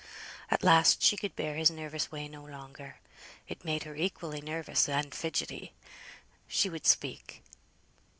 At last she could bear his nervous way no longer, it made her equally nervous and fidgetty. She would speak.